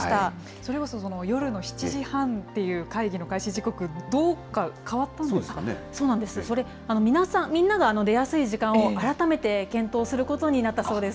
それこそ夜の７時半っていう会議の開始時刻、どうか変わったそうなんです、みんなが出やすい時間を改めて検討することになったそうです。